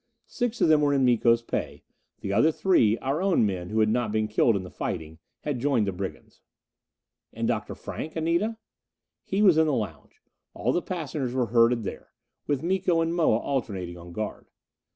Six of them were in Miko's pay; the other three our own men who had not been killed in the fighting had joined the brigands. "And Dr. Frank, Anita?" He was in the lounge. All the passengers were herded there, with Miko and Moa alternating on guard.